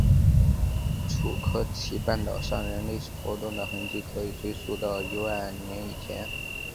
楚科奇半岛上人类活动的痕迹可以追溯到一万年以前。